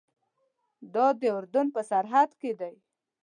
دا د اردن په سرحد کې دی.